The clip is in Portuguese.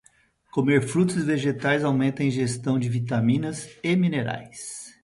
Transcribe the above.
Comer frutas e vegetais aumenta a ingestão de vitaminas e minerais.